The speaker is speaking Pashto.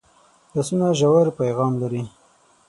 لاسونه ژور پیغام لري